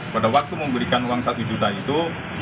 pada waktu memberikan uang satu juta itu